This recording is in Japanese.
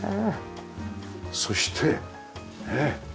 そしてねえ。